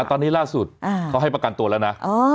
ตอนนี้ล่าสุดเขาให้ประกันตัวแล้วนะ